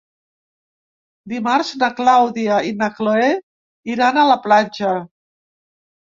Dimarts na Clàudia i na Cloè iran a la platja.